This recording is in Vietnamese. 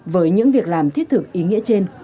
với những việc làm thiết thực ý nghĩa trên